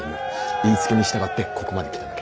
言いつけに従ってここまで来ただけ。